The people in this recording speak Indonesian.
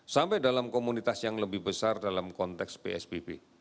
sampai dalam komunitas yang lebih besar dalam konteks psbb